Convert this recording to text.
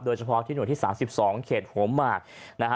โดยเฉพาะที่หน่วยที่สามสิบสองเขตโหมมากนะฮะ